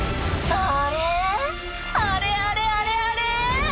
あれあれあれあれ？